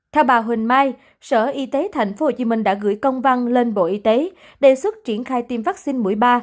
theo bà huỳnh mai sở y tế tp hcm đã gửi công văn lên bộ y tế đề xuất triển khai tiêm vaccine mũi ba